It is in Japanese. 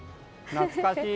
懐かしい！